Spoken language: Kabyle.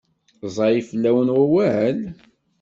Ẓẓay fell-awen wawal?